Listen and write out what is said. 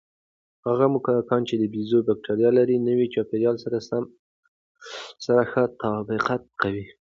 هغه موږکان چې د بیزو بکتریاوې لري، نوي چاپېریال سره ښه تطابق کوي.